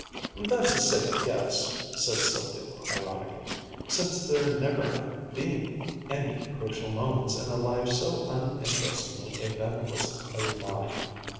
"That's a safe guess!" said Sylvia ironically, "since there never have been any crucial moments in a life so uninterestingly eventless as mine.